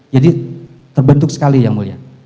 jadi terbentuk sekali yang mulia